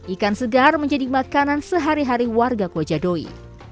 ikan segar menjadi makanan sehari hari warga kojadoi